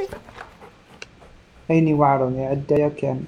Ayen iweɛṛen iɛedda yakan.